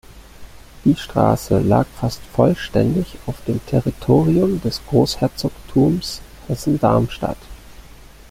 Diese Straße lag fast vollständig auf dem Territorium des Großherzogtums Hessen-Darmstadt.